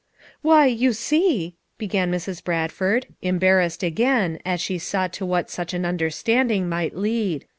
"Why, you see," began Mrs. Bradford, em barrassed again as she saw to what such an un derstanding might lead.